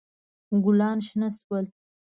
ګلان شنه شول.